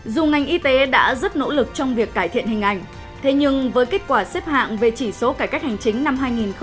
dù ngành y tế đã rất nỗ lực trong việc cải thiện hình ảnh thế nhưng với kết quả xếp hạng về chỉ số cải cách hành chính năm hai nghìn một mươi tám